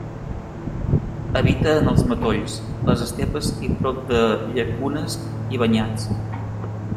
Habita en els matolls, les estepes i prop de llacunes i banyats.